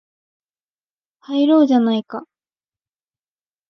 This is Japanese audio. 入ろうじゃないか